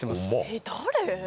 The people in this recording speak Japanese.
えっ誰？